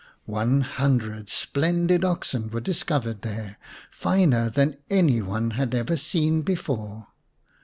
One hundred splendid oxen were discovered there, finer than any one had ever seen before.